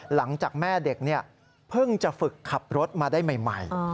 หลังจากแม่เด็กเพิ่งจะฝึกขับรถมาได้ใหม่